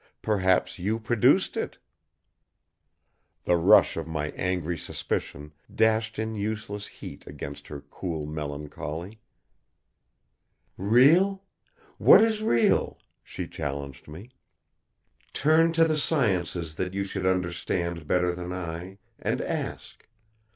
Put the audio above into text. Perhaps you produced it?" The rush of my angry suspicion dashed in useless heat against her cool melancholy. "Real? What is real?" she challenged me. "Turn to the sciences that you should understand better than I, and ask.